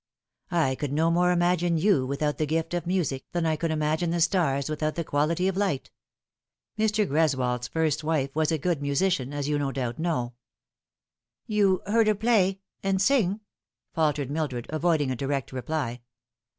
I could no more imagine you without the gift of music than I could imagine the stars without the quality of light. Mr. Gres wold's first wife was a good musician, as no doubt you know." " You heard her play and sing ?" faltered Mildred, avoiding a direct reply.